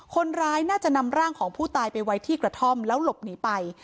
คนร้ายน่าจะนำร่างของผู้ตายไปไว้ที่กระท่อมแล้วหลบหนีไป